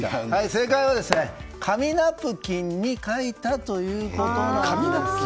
正解は紙ナプキンに書いたということなんですね。